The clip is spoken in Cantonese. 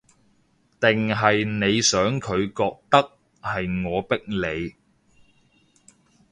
定係你想佢覺得，係我逼你